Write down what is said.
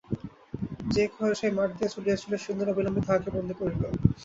যে কেহ সেই মাঠ দিয়া চলিয়াছিল, সৈন্যেরা অবিলম্বে তাহাকে বন্দী করিল।